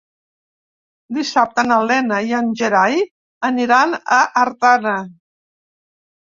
Dissabte na Lena i en Gerai aniran a Artana.